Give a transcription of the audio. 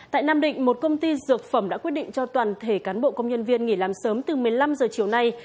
tại nam định một công ty dược phẩm đã quyết định cho toàn thể cán bộ công nhân viên nghỉ làm sớm từ một mươi năm giờ chiều nay